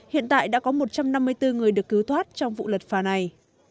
hiện tại đã có một trăm năm mươi bốn người được cứu thoát trong vụ lật phà này